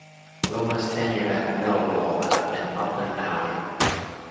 Lomas' tenure at Millwall had been up and down.